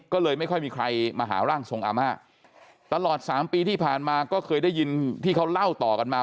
ก็เลยไม่ค่อยมีใครมาหาร่างทรงอาม่าตลอดสามปีที่ผ่านมาก็เคยได้ยินที่เขาเล่าต่อกันมา